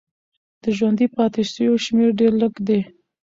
د ژوندي پاتې سویو شمېر ډېر لږ دی.